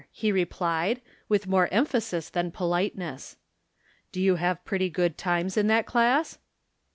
he replied, with more emphasis than politeness. " Do you have pretty good times in that class